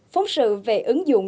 phóng sự về ứng dụng